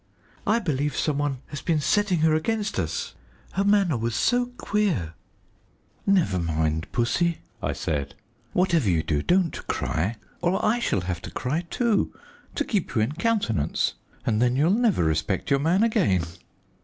I believe some one has been setting her against us. Her manner was so queer " "Never mind, Pussy," I said; "whatever you do, don't cry, or I shall have to cry too, to keep you in countenance, and then you'll never respect your man again!"